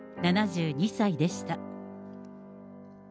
７２歳でした。